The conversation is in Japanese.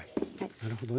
なるほどね。